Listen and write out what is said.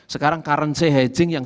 sekarang currency hedging yang